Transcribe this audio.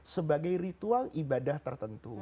sebagai ritual ibadah tertentu